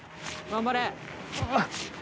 頑張れ。